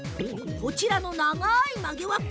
こちらの長い曲げわっぱ！